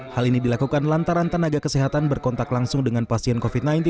hal ini dilakukan lantaran tenaga kesehatan berkontak langsung dengan pasien covid sembilan belas